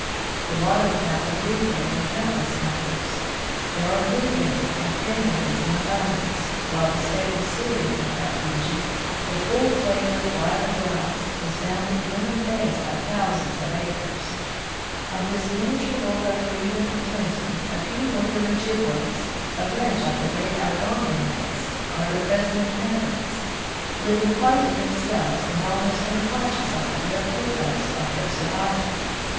The waterfowl breed there in countless numbers. There are blueberries and cranberries in abundance, while the staple cereal of that region, the full flavored wild rice, is found in the inland bays by thousands of acres. Of this miniature world of freedom and plenty a few northern Ojibways, a branch of the great Algonquin race, are the present 167 From the Deep Woods to Cinilization inhabitants, living quite to themselves and almost unconscious of the bare pathos of their survival.